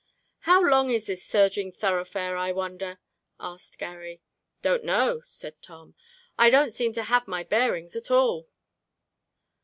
"How long is this surging thoroughfare, I wonder," asked Garry. "Don't know," said Tom. "I don't seem to have my bearings at all."